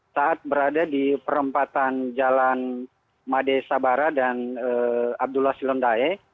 saat berada di perempatan jalan made sabara dan abdullah silondae